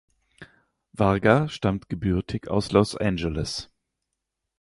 Varga stammt gebürtig aus Los Angeles.